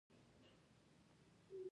نوي مارکيټونه يې پرانيستل.